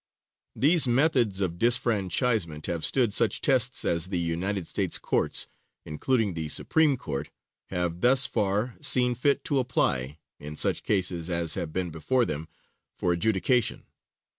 These methods of disfranchisement have stood such tests as the United States Courts, including the Supreme Court, have thus far seen fit to apply, in such cases as have been before them for adjudication.